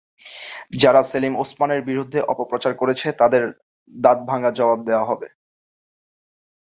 যারা সেলিম ওসমানের বিরুদ্ধে অপপ্রচার করছে, তাদের দাঁতভাঙা জবাব দেওয়া হবে।